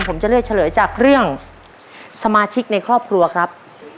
ผมจะเลือกเฉลยจากเรื่องสมาชิกในครอบครัวครับ